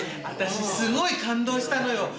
私すごい感動したのよ。